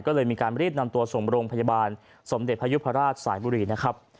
ก็เลยมีการรีบนำตัวส่งโรงพยาบาลสมเด็จพยุพราชสายบุรีนะครับ